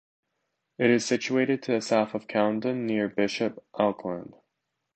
It is situated to the south of Coundon, near Bishop Auckland.